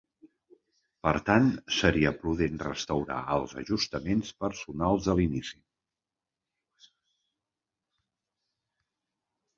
Per tant, seria prudent restaurar els ajustaments personals a l'inici.